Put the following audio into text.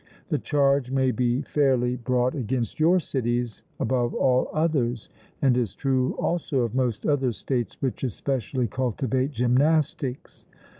The charge may be fairly brought against your cities above all others, and is true also of most other states which especially cultivate gymnastics.